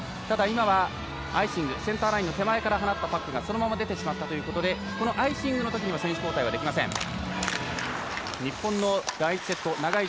ただ、今はアイシングセンターラインの手前から放ったパックがそのまま出てしまったということでこのアイシングのときには選手交代できません。